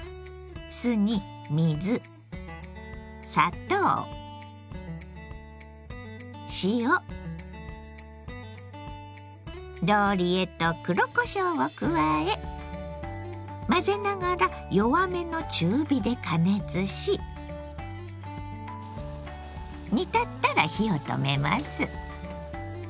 酢に水砂糖塩ローリエと黒こしょうを加え混ぜながら弱めの中火で加熱し煮立ったら火を止めます。